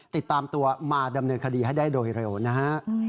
ติดตามตัวมาดำเนินคดีให้ได้โดยเร็วนะฮะ